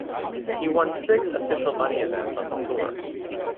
He won six official money events on the tour.